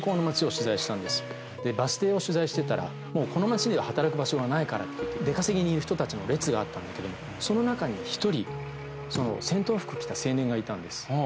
でバス停を取材してたらもうこの街では働く場所がないからって言って出稼ぎに行く人たちの列があったんだけどもその中に１人戦闘服着た青年がいたんです。